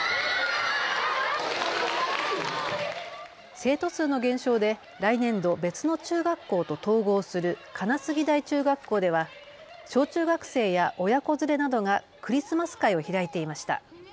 生徒数の減少で来年度、別の中学校と統合する金杉台中学校では小中学生や親子連れなどがクリスマス会を開いていました。